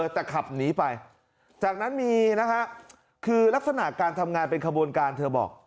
แต่ขับหนีไปจากนั้นมีนะฮะคือลักษณะการทำงานเป็นขบวนการเธอบอก